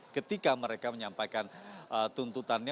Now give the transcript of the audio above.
ketika mereka menyampaikan tuntutannya